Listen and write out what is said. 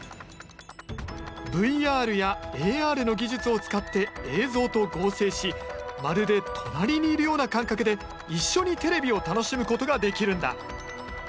ＶＲやＡＲの技術を使って映像と合成しまるで隣にいるような感覚で一緒にテレビを楽しむことができるんだ。